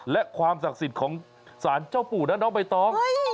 และความศักดิ์สิทธิ์ของสารเจ้าปู่นะน้องใบตอง